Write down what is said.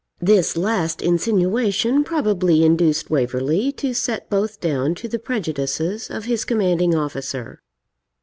This last insinuation probably induced Waverley to set both down to the prejudices of his commanding officer.